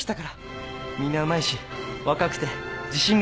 みんなうまいし若くて自信があって楽しそうで。